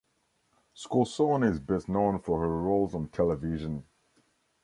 Scorsone is best known for her roles on television.